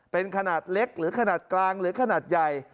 เป็นขนาดเล็กหรือขนาดกลางหรือขนาดใหญ่